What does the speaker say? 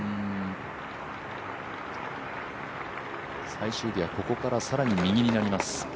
最終日はここから更に右になります。